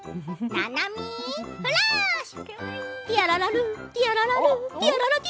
「ななみフラッシュ」。